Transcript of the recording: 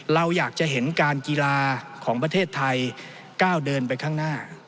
เราอยากจะเห็นการกีฬาของประเทศไทยก้าวเดินไปข้างหน้า